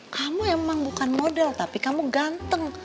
kamu emang bukan model tapi kamu ganteng